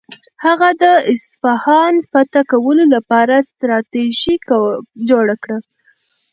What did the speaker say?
هغه د اصفهان فتح کولو لپاره ستراتیژي جوړه کړه.